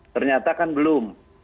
ternyata kan belum